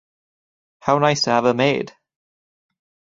How nice to have a maid!